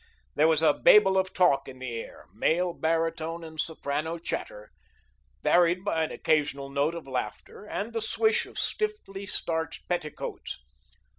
There was a babel of talk in the air male baritone and soprano chatter varied by an occasional note of laughter and the swish of stiffly starched petticoats.